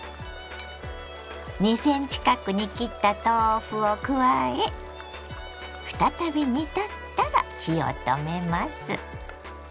２ｃｍ角に切った豆腐を加え再び煮立ったら火を止めます。